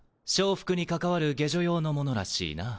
服に関わる下女用のものらしいな。